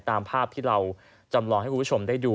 ตามภาพที่เราจำลองให้คุณผู้ชมได้ดู